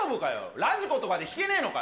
ラジコとかで聞けねーのかよ。